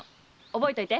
覚えといて。